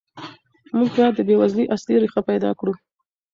موږ باید د بېوزلۍ اصلي ریښې پیدا کړو.